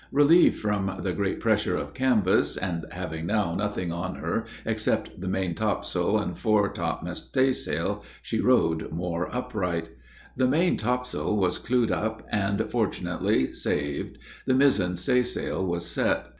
Relieved from the great pressure of canvass, and having now nothing on her except the main topsail and fore topmast staysail, she rode more upright. The main topsail was clewed up and fortunately saved, the mizzen staysail was set.